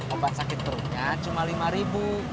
obat sakit perutnya cuma lima ribu